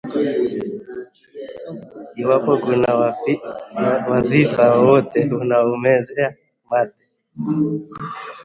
Iwapo kuna wadhifa wowote unaoumezea mate